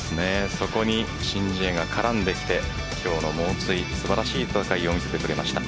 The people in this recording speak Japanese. そこに申ジエが絡んできて今日の猛追、素晴らしい戦いを見せてくれました。